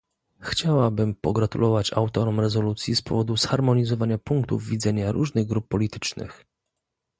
Chciałabym pogratulować autorom rezolucji z powodu zharmonizowania punktów widzenia różnych grup politycznych